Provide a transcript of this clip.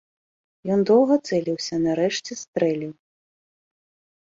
Ён доўга цэліўся, нарэшце стрэліў.